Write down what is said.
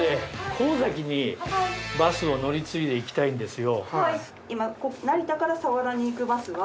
神崎にバスを乗り継いでいきたいんですよ。